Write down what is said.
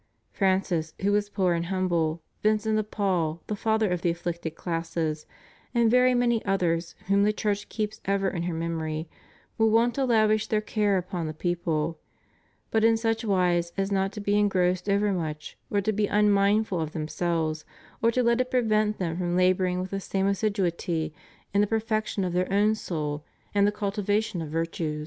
Francis, who was poor and humble, Vincent of Paul, the Father of the afflicted classes, and very many others whom the Church keeps ever in her memory, were wont to lavish their care upon the people, but in such wise as not to be engrossed overmuch or to be unmindful of themselves or to let it prevent them from laboring with the same assiduity in the perfection of their own soul and the cultivation of virtue.